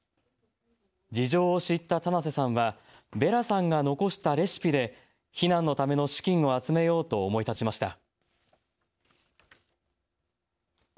事情を知った棚瀬さんはヴェラさんが残したレシピで避難のための資金を集めようと思い立ちました。